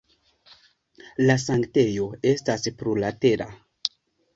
La sanktejo estas plurlatera.